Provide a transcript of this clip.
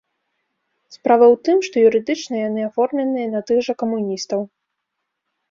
Справа ў тым, што юрыдычна яны аформленыя на тых жа камуністаў.